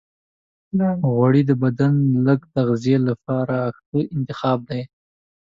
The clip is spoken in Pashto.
غوړې د بدن د لږ تغذیې لپاره ښه انتخاب دی.